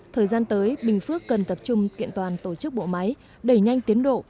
thời gian tới bình phước cần tập trung kiện toàn tổ chức bộ máy đẩy nhanh tiến độ